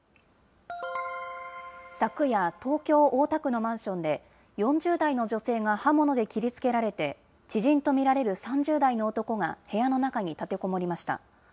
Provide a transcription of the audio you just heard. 昨夜、東京・大田区のマンションで、４０代の女性が刃物で切りつけられて、知人と見られる３０代の男が部屋の中に立てこもりました。